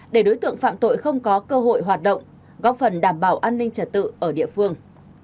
để đối tượng phạm tội không có cơ hội hoạt động góp phần đảm bảo an ninh trật tự ở địa phương